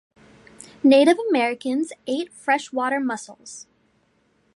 Native Americans ate freshwater mussels.